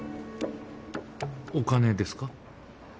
お金ですか？